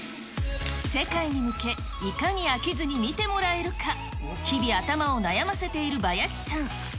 世界に向け、いかに飽きずに見てもらえるか、日々、頭を悩ませているバヤシさん。